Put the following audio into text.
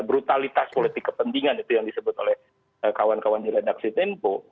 brutalitas politik kepentingan itu yang disebut oleh kawan kawan di redaksi tempo